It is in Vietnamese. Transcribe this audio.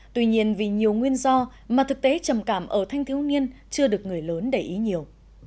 tuy nhiên vì nhiều nguyên do mà thực tế trầm cảm ở thanh thiếu niên chưa được người lớn để ý nhiều